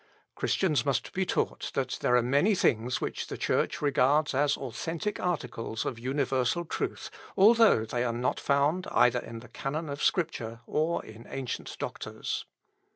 "Christians must be taught that there are many things which the Church regards as authentic articles of universal truth, although they are not found either in the canon of Scripture or in ancient doctors.